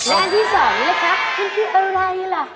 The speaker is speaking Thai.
อันที่สองเลยครับมันเป็นอะไรล่ะคะ